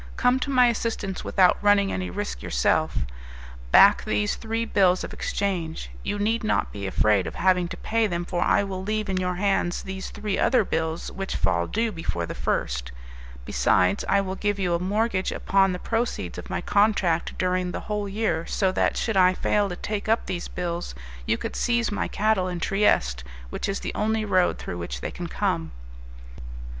Come to my assistance without running any risk yourself; back these three bills of exchange. You need not be afraid of having to pay them, for I will leave in your hands these three other bills which fall due before the first. Besides, I will give you a mortgage upon the proceeds of my contract during the whole year, so that, should I fail to take up these bills, you could seize my cattle in Trieste, which is the only road through which they can come."